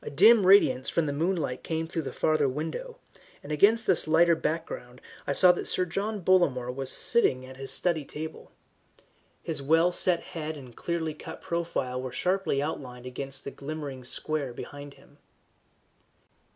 A dim radiance from the moonlight came through the farther window, and against this lighter background I saw that Sir John Bollamore was sitting at his study table. His well set head and clearly cut profile were sharply outlined against the glimmering square behind him.